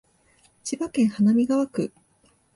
千葉市花見川区